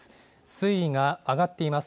水位が上がっています。